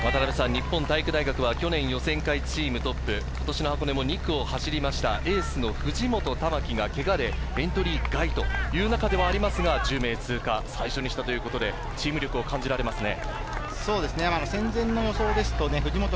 日本体育大学は去年の予選会はチームトップ、今年の箱根は２区を走りました、エースの藤本珠輝がけがでエントリーがエントリー外という中でありますが、１０名通過、最初にしたということで、チーム力、感じられますね。